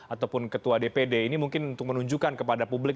ataupun ketua dpd ini mungkin untuk menunjukkan kepada publik